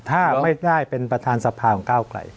ถ้าไม่ได้เป็นประธานสภาของก้าวไกล